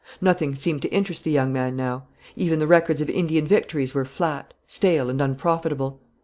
Nothing seemed to interest the young man now. Even the records of Indian victories were "flat, stale, and unprofitable."